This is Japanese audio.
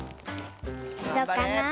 どうかな？